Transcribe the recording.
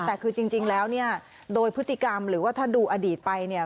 แต่คือจริงแล้วเนี่ยโดยพฤติกรรมหรือว่าถ้าดูอดีตไปเนี่ย